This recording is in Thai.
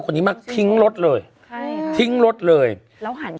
คนนี้มากทิ้งรถเลยใช่ทิ้งรถเลยแล้วหัน